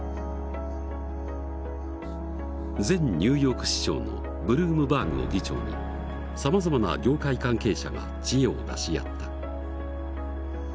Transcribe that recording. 前ニューヨーク市長のブルームバーグを議長にさまざまな業界関係者が知恵を出し合った。